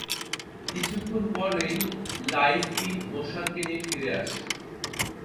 কিছুক্ষণ পরই লাঈছ বিন মোশানকে নিয়ে ফিরে আসে।